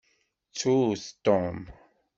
Ttut Tom.